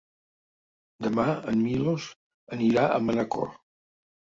Demà en Milos anirà a Manacor.